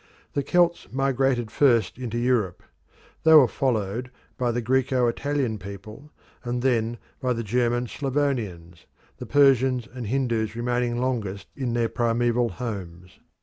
The Celts migrated first into Europe; they were followed by the Graeco Italian people, and then by the German Slavonians, the Persians and Hindus remaining longest in their primeval homes.